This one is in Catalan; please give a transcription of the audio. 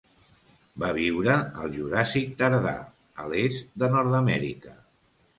Va viure al Juràssic tardà, a l'est de Nord-amèrica.